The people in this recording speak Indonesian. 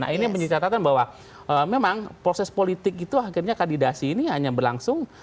nah ini yang menjadi catatan bahwa memang proses politik itu akhirnya kandidasi ini hanya berlangsung